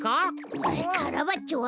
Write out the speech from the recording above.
うっカラバッチョは？